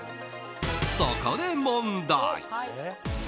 そこで、問題。